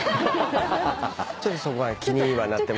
ちょっとそこは気にはなってました。